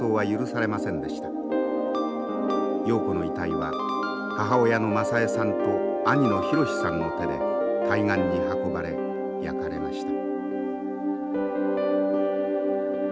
瑤子の遺体は母親の雅枝さんと兄の浩史さんの手で対岸に運ばれ焼かれました。